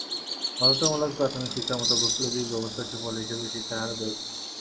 বাধ্যতামূলক প্রাথমিক শিক্ষার মতো বৈপ্লবিক ব্যবস্থার সুফল হিসেবে শিক্ষার হার বেড়েছে।